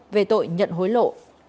về tội nhận hối lộ